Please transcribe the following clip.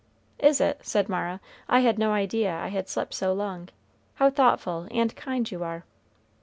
"Is it?" said Mara. "I had no idea I had slept so long how thoughtful and kind you are!"